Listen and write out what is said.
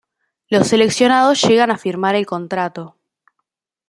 Los seleccionados llegan a firmar el contrato.